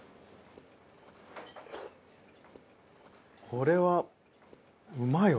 これはうまいわ。